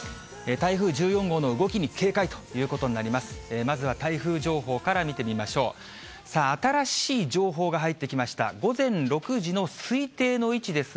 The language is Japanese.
台風１４号の動きに警戒ということになります。